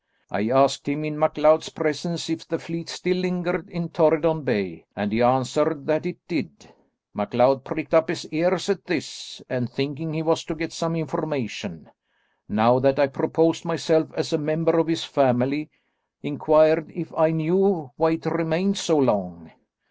I asked him, in MacLeod's presence, if the fleet still lingered in Torridon Bay, and he answered that it did. MacLeod pricked up his ears at this, and thinking he was to get some information, now that I proposed myself as a member of his family, inquired if I knew why it remained so long.